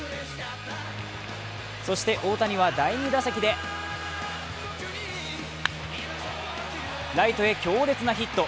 そして大谷は第２打席でライトへ強烈なヒット。